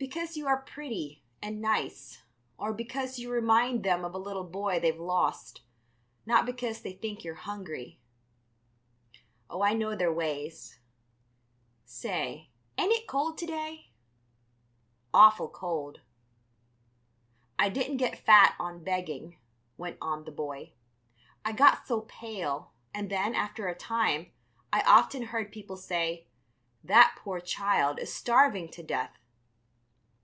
"Because you are pretty and nice, or because you remind them of a little boy they've lost, not because they think you're hungry. Oh, I know their ways. Say, ain't it cold to day?" "Awful cold." "I didn't get fat on begging," went on the boy. "I got so pale and then, after a time, I often heard people say: 'That poor child is starving to death.'